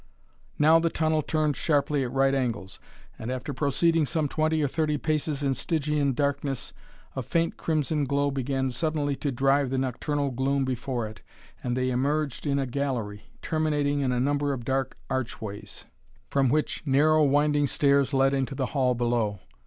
Now the tunnel turned sharply at right angles and after proceeding some twenty or thirty paces in Stygian darkness, a faint crimson glow began suddenly to drive the nocturnal gloom before it, and they emerged in a gallery, terminating in a number of dark archways, from which narrow winding stairs led into the hall below.